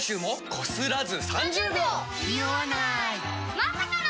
まさかの。